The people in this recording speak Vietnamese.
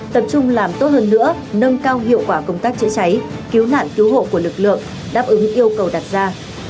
tập trung làm tốt hơn nữa nâng cao hiệu quả công tác chữa cháy cứu nạn cứu hộ của lực lượng đáp ứng yêu cầu đặt ra